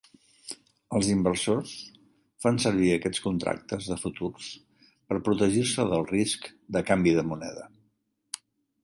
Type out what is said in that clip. Els inversors fan servir aquests contractes de futurs per protegir-se del risc de canvi de moneda.